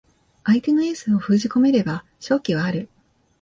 相手のエースを封じ込めれば勝機はある